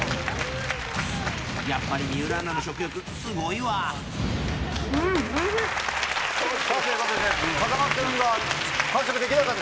やっぱり水卜アナの食欲、うん、おいしい！ということで、風間君が完食できなかった。